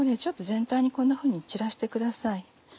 ちょっと全体にこんなふうに散らしてください。